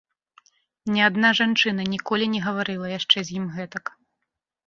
Ні адна жанчына ніколі не гаварыла яшчэ з ім гэтак.